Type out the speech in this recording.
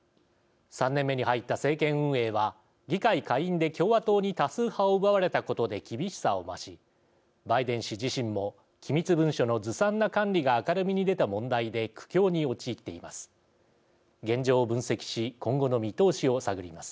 ３年目に入った政権運営は議会下院で共和党に多数派を奪われたことで厳しさを増しバイデン氏自身も機密文書のずさんな管理が明るみに出た問題で苦境に陥っています。